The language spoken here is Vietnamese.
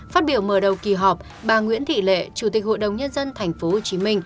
phát biểu mở đầu kỳ họp bà nguyễn thị lệ chủ tịch hội đồng nhân dân tp hcm